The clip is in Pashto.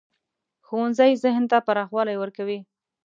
ښوونځی ذهن ته پراخوالی ورکوي